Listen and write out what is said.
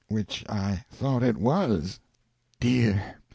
which I thought it was. Dear!